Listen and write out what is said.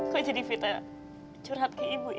kok jadi vita curhat ke ibu ya